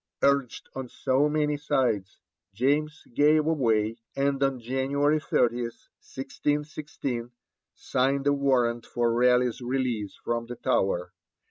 Urged on so many sides, James gave way, and on January 30, 1616, signed a warrant for Raleigh's release from the Tower.